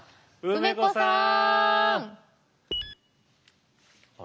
梅子さん